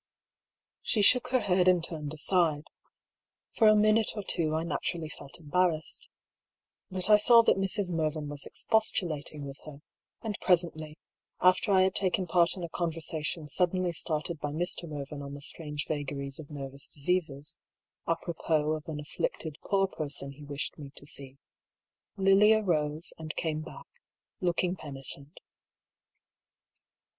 She shook her head and turned aside. For a minute or two I naturally felt embarrassed. But I saw that Mrs. Mervyn was expostulating with her, and presently, after I had taken part in a conversation suddenly started by Mr. Mervyn on the strange vagaries of nervous diseases, apropos of an afflicted poor person he wished me to see, Lilia rose and came back, looking penitent.